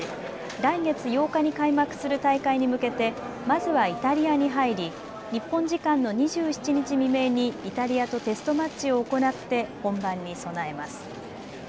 来月８日に開幕する大会に向けてまずはイタリアに入り日本時間の２７日未明にイタリアとテストマッチを行って本番に備えます。